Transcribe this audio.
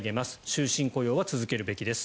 終身雇用は続けるべきです。